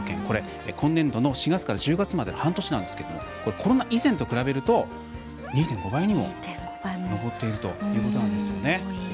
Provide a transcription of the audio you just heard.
これ、今年度の４月から１０月まで半年なんですけどもコロナ以前と比べると２．５倍にも上っているということなんですよね。